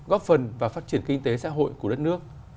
góp phần vào phát triển kinh tế xã hội của đất nước